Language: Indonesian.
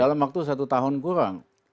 dalam waktu satu tahun kurang